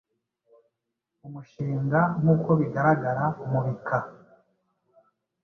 Umushinga nkuko bigaragara mu bika